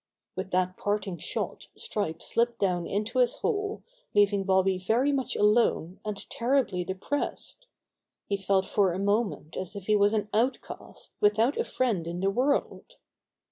With that parting shot Stripe slipped down into his hole, leaving Bobby very much alone Bobby Hears Unpleasant News 87 and terribly depressed. He felt for a moment as if he was an outcast without a friend in the world.